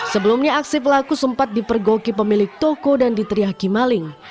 sebelumnya aksi pelaku sempat dipergoki pemilik toko dan diteriaki maling